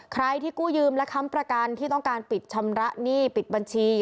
ใครที่กู้ยืมและค้ำประกันที่ต้องการปิดชำระหนี้ปิดบัญชี